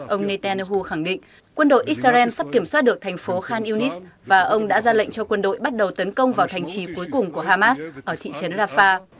ông netanyahu khẳng định quân đội israel sắp kiểm soát được thành phố khan yunis và ông đã ra lệnh cho quân đội bắt đầu tấn công vào thành trì cuối cùng của hamas ở thị trấn rafah